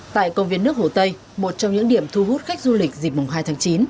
tại công viên nước hồ tây một trong những điểm thu hút khách du lịch dịp mùng hai tháng chín